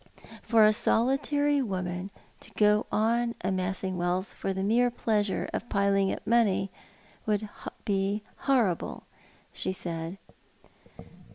" For a solitary woman to go on amassing wealth for the mere i>leasnre of veiling up money would Iv horrible," she said.